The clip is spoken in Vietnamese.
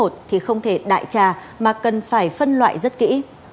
thì không thể đại trà mà cần phải phân loại rất kỹ